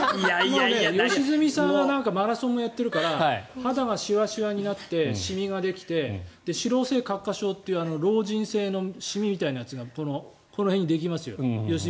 良純さんはマラソンをやっているから肌がしわしわになってシミができて脂漏性角化症という老人性のシミみたいなやつが良純さんはこの辺にできますよ。